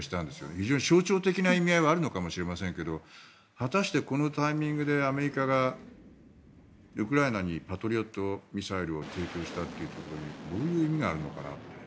非常に象徴的な意味合いはあるのかもしれませんが果たして、このタイミングでアメリカがウクライナにパトリオットミサイルを提供したというところにどういう意味があるのかなって。